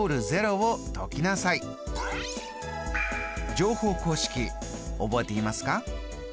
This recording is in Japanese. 乗法公式覚えていますか？